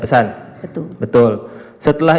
pesan betul betul setelah